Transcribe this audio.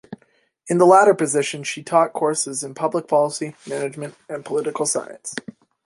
In the latter position she taught courses in public policy, management, and political science.